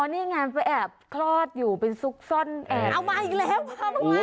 นี่ไงไปแอบคลอดอยู่เป็นซุกซ่อนแอบเอามาอีกแล้วค่ะ